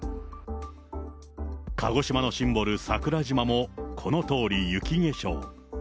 鹿児島のシンボル、桜島も、このとおり雪化粧。